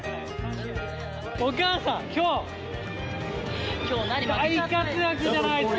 お母さん、きょう大活躍じゃないですか。